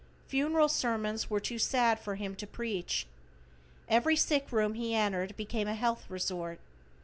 Funeral sermons were too sad for Him to preach. Every sick room He entered became a health resort.